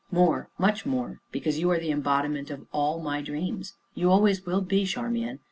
"More much more, because you are the embodiment of all my dreams you always will be Charmian.